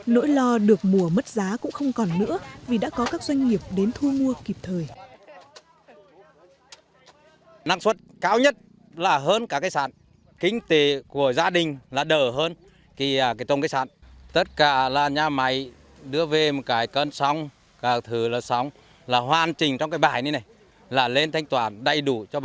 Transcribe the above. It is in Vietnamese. nỗi lo được mùa mất giá cũng không còn nữa vì đã có các doanh nghiệp đến thu mua kịp thời